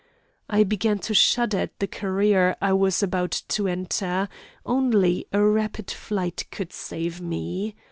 I began to shudder at the career I was about to enter; only a rapid flight could save me.